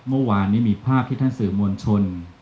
เมื่อวานนี้มีภาพที่ท่านสื่อมวลชน